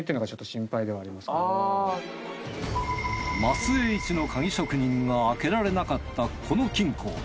松江一の鍵職人が開けられなかったこの金庫。